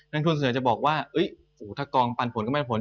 นางทุนเสนอจะบอกว่าถ้ากองปันผลกับไม่ปันผล